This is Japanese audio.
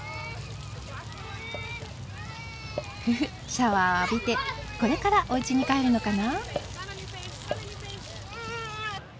フフッシャワー浴びてこれからおうちに帰るのかな。